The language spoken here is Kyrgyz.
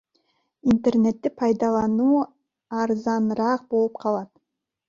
Интернетти пайдалануу арзаныраак болуп калат.